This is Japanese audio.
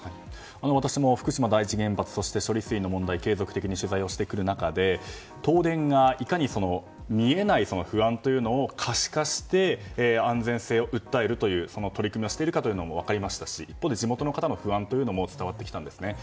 私も福島第一原発そして処理水の問題継続的に取材をしてくる中で東電が、いかに見えない不安というのを可視化して安全性を訴えるというその取り組みをしているかというのも分かりましたし、一方で地元の方の不安も伝わってきたんですね。